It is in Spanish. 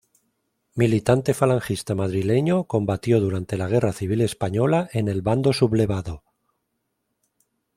Militante falangista madrileño, combatió durante la Guerra Civil Española en el bando sublevado.